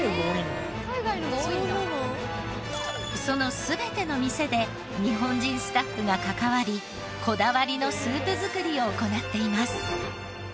その全ての店で日本人スタッフが関わりこだわりのスープ作りを行っています。